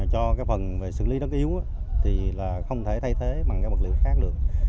cho phần xử lý đất yếu thì không thể thay thế bằng các vật liệu khác được